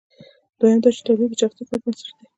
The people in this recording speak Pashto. دویم دا چې تولید د شخصي کار پر بنسټ دی.